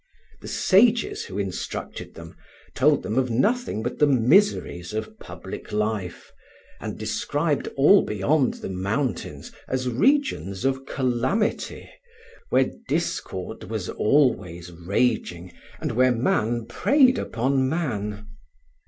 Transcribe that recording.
The sages who instructed them told them of nothing but the miseries of public life, and described all beyond the mountains as regions of calamity, where discord was always racing, and where man preyed upon man.